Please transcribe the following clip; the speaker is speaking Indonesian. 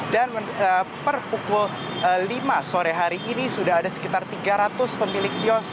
dan per pukul lima sore hari ini sudah ada sekitar tiga ratus pemilik kiosk